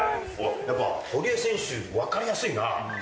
やっぱ堀江選手、分かりやすいな。